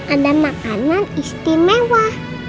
ada makanan istimewa